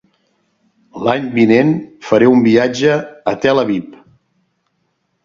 L'any vinent faré un viatge a Tel Aviv.